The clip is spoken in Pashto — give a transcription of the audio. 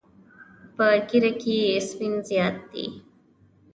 په ږیره کې یې سپین زیات دي.